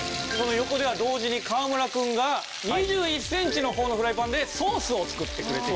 横では同時に川村君が２１センチの方のフライパンでソースを作ってくれています。